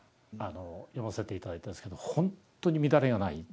読ませて頂いたんですけど本当に乱れがないですね静かな。